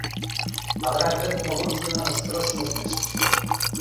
Haberá que ver como evoluciona nos próximos meses.